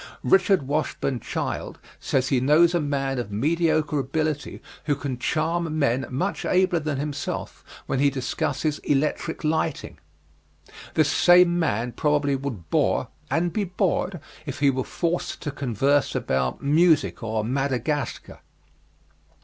Richard Washburn Child says he knows a man of mediocre ability who can charm men much abler than himself when he discusses electric lighting. This same man probably would bore, and be bored, if he were forced to converse about music or Madagascar.